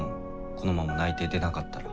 このまま内定出なかったら。